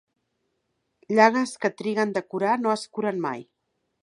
Llagues que triguen de curar no es curen mai.